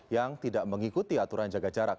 yang tidak mengikuti aturan jaga jarak